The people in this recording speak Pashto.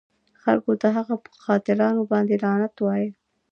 خلکو د هغه په قاتلانو باندې لعنت وایه.